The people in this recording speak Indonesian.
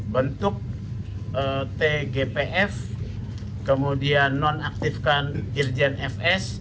bentuk tgpf kemudian non aktifkan irjen fs